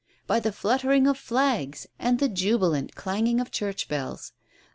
by the fluttering of flags, and the jubilant clanging of church bells.